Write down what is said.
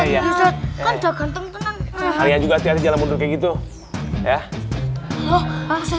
ya juga jalan mundur kayak gitu ya